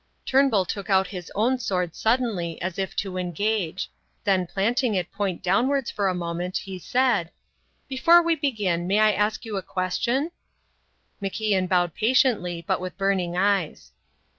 Turnbull took out his own sword suddenly as if to engage; then planting it point downwards for a moment, he said, "Before we begin, may I ask you a question?" MacIan bowed patiently, but with burning eyes.